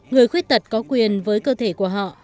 người khuyết tật có quyền với cơ thể của họ